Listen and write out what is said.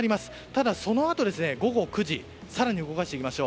ただ、そのあと午後９時、更に動かしていきます